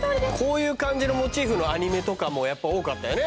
こういう感じのモチーフのアニメとかもやっぱ多かったよね